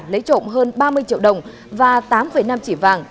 lấy trộm hơn ba mươi triệu đồng và tám năm chỉ vàng